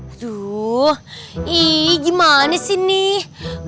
aduh gimana sih nih